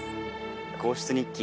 『皇室日記』